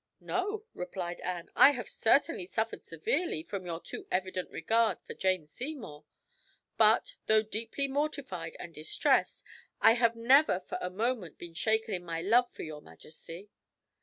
"No," replied Anne. "I have certainly suffered severely from your too evident regard for Jane Seymour; but, though deeply mortified and distressed, I have never for a moment been shaken in my love for your majesty."